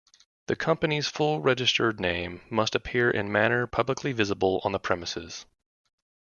The companies full registered name must appear in manner publicly visible on the premises.